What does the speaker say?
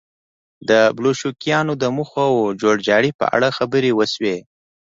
د بلشویکانو د موخو او جوړجاړي په اړه خبرې وشوې